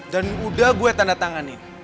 dan udah gue tanda tangan ini